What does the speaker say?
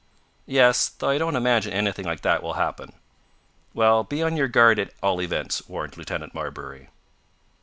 "Yes, though I don't imagine anything like that will happen." "Well, be on your guard, at all events," warned Lieutenant Marbury.